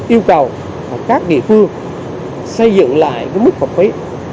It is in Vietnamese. yêu cầu các địa phương xây dựng lại mức học phí